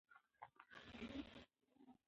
د افغانستان نفوذ تر نیشاپوره پورې رسېدلی و.